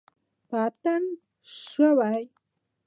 په اتڼ شوي